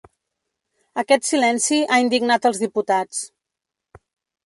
Aquest silenci ha indignat els diputats.